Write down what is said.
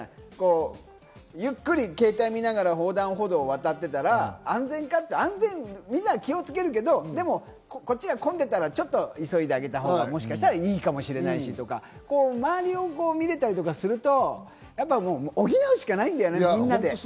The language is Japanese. ゆっくり携帯見ながら横断歩道を渡ってたら安全かっていうと、みんな気をつけるけど、こっちが混んでたら急いであげたほうがいいかもしれないしとか、周りを見れたりすると、補うしかないんだよね、みんなで。